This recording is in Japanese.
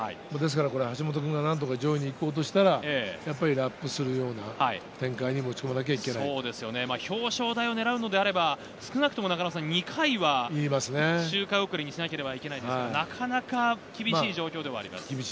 橋本君が何とか上位に行こうとしたらラップするような展開に表彰台を狙うのであれば少なくとも２回は、周回遅れにしなければいけないですが、なかなか厳しい状況ではあります。